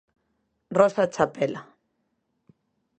Rosa Chapela.